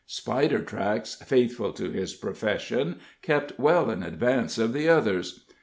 Spidertracks, faithful to his profession, kept well in advance of the others.